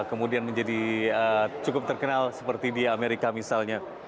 kemudian menjadi cukup terkenal seperti di amerika misalnya